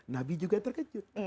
nabi juga terkejut